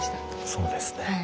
そうですね。